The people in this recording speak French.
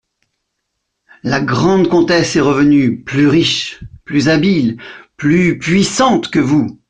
La grande comtesse est revenue, plus riche, plus habile, plus puissante que vous.